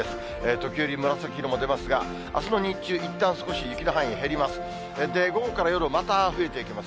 時折、紫色も出ますが、あすの日中、いったん少し雪の範囲減ります。